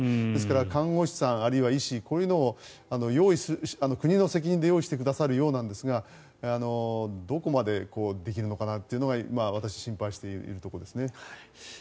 ですから看護師さんあるいは、医師国の責任で用意してくれるようなんですがどこまでできるのかなというのが私が心配しているところですね。